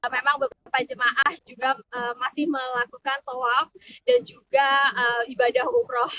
memang beberapa jemaah juga masih melakukan tawaf dan juga ibadah umroh